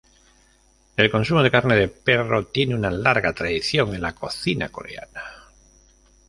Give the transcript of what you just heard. El consumo de carne de perro tiene una larga tradición en la cocina coreana.